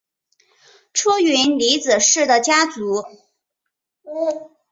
出云尼子氏的家祖。